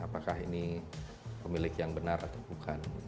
apakah ini pemilik yang benar atau bukan